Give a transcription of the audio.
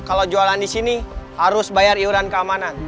kalau jualan di sini harus bayar iuran keamanan